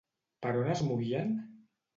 Per on es movien?